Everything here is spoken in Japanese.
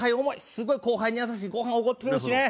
すごい後輩に優しいご飯おごってくれるしね